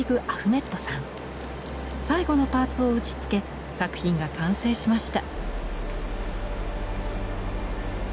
最後のパーツを打ちつけ作品が完成しました。